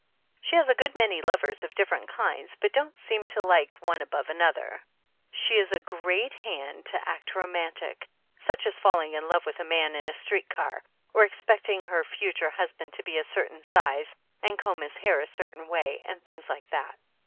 She has a good many lovers of dif ferent kinds, but don't seem to like one above an other. She is a great hand to act romantic, 121 THE ANNALS OF ANN such as falling in love with a man in a street car, or expecting her future husband to be a certain size and comb his hair a certain way and things like that.